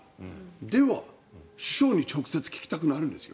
では、首相に直接聞きたくなるんですよ。